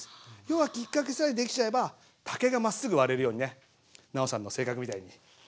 要はきっかけさえ出来ちゃえば竹がまっすぐ割れるようにね尚さんの性格みたいに。